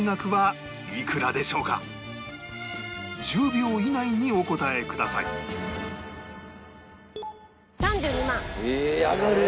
１０秒以内にお答えくださいええ上がる？